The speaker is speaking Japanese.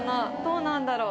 どうなんだろ？